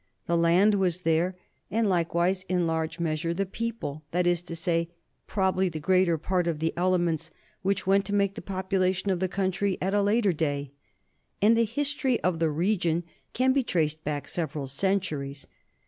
The land was there, and likewise in large measure the people, that is to say, probably the greater part of the elements which went to make the population of the country at a later day; and the history of the region can be traced back several centuries.